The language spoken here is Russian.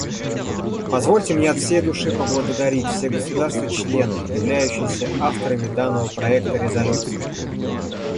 Позвольте мне от всей души поблагодарить все государства-члены, являющиеся авторами данного проекта резолюции.